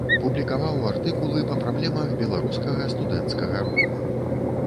Публікаваў артыкулы па праблемах беларускага студэнцкага руху.